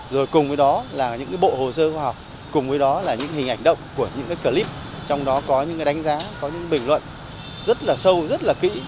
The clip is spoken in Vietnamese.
rồi cùng với đó là những bộ hồ sơ khoa học cùng với đó là những hình ảnh động của những clip trong đó có những đánh giá có những bình luận rất là sâu rất là kỹ